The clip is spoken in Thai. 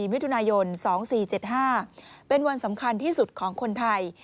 มิถุนายน๒๔๗๕เป็นวันสำคัญที่สุดของคนไทย